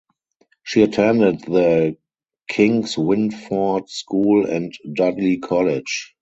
She attended The Kingswinford School and Dudley College.